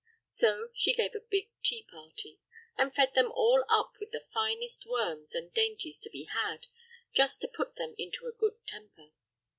So she gave a big tea party, and fed them all up with the finest worms and dainties to be had, just to put them into a good temper.